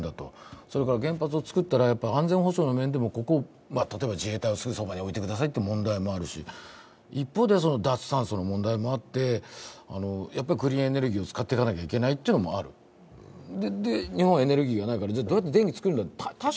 それから原発をつくったら安全保障の面でも、例えば自衛隊をすぐそばに置いてくださいという問題もあるし、一方で、脱炭素の問題もあって、クリーンエネルギーを使っていかなきゃいけないというのもある、日本はエネルギーがないから、どうやって電気を作るのか。